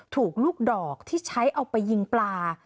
ถูกลูกดอกที่ใช้เอาไปยิงปลา